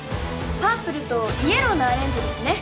パープルとイエローのアレンジですね